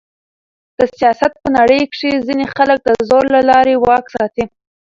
د سیاست په نړۍ کښي ځينې خلک د زور له لاري واک ساتي.